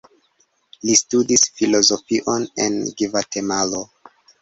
Li studis filozofion en Gvatemalo.